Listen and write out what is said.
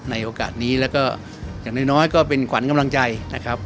ในโอกาสนี้แล้วก็อย่างน้อยก็เป็นขวัญกำลังใจนะครับ